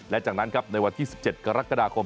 และจากนั้นครับในวันที่๑๗กรกฎาคม